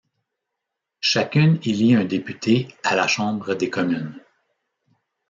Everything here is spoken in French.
Chacune élit un député à la Chambre des communes.